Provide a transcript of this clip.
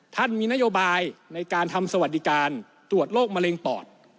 ท่านมีนโยบายในการทำสวัสดิการตรวจโรคมะเร็งปอด